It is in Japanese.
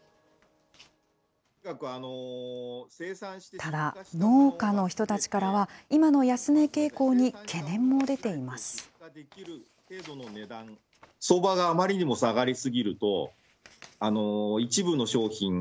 ただ、農家の人たちからは、今の安値傾向に懸念も出ています。